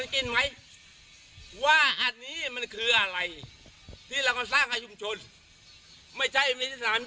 เฮ้ยเสมย่าสวยงาม